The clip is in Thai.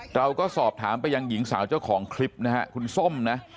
เราก็สอบถามไปยังหญิงสาวเจ้าของคลิปนะฮะคุณส้มนะ